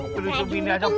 polisi mini ada bangga